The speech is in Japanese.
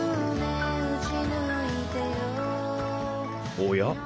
おや？